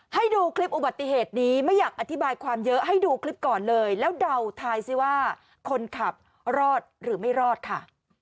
ให้ดูคลิปอุบัติเหตุนี้ไม่อยากอธิบายความเยอะให้ดูคลิปก่อนเลยแล้วเดาทายสิว่าคนขับรอดหรือไม่รอดค่ะ